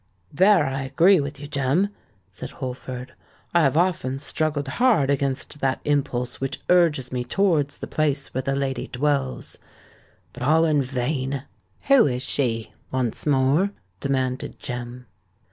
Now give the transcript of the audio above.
"There I agree with you, Jem," said Holford. "I have often struggled hard against that impulse which urges me towards the place where the lady dwells—but all in vain!" "Who is she, once more?" demanded Jem.